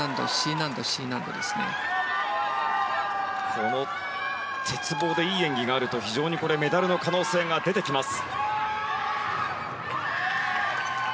この鉄棒でいい演技があると非常にメダルの可能性が出てきます。